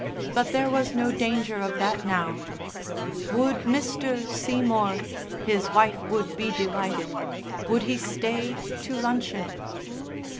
But there was no danger of that now. Would Mr. Seymour his wife would be delighted would he stay to luncheon?